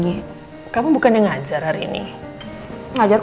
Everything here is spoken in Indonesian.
dia uit di segurum tellya